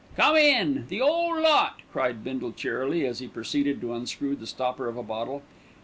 "Come in, the 'ole lot," cried Bindle cheerily, as he proceeded to unscrew the stopper of a bottle.